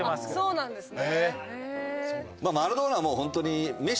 そうなんですか！